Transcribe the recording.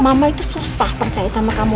mama itu susah percaya sama kamu